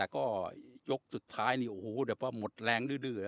ก็โยขสุดท้ายโหวแบบว่าหมดแรงดื้อ